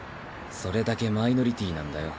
それだけマイノリティーなんだよ